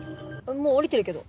もう降りてるけど。